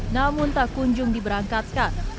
namun tak kunjung diberangkatkan